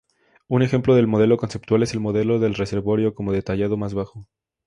Un ejemplo del modelo conceptual es el "modelo del reservorio" como detallado más abajo.